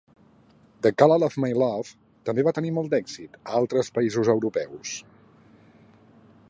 "The Colour of My Love" també va tenir molt d'èxit a altres països europeus.